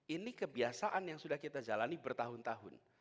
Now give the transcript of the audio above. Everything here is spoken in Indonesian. ini kebiasaan yang sudah kita jalani bertahun tahun